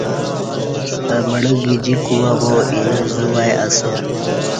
اہ مڑہ گج کوبہ با اینہ زو وای اسہ